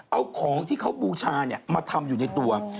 เอาของที่เขาบูชามาทำอยู่ในตัว